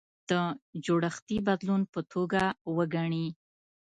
د جوړښتي بدلون په توګه وګڼي.